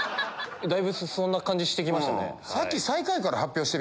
そんな感じしてきましたね。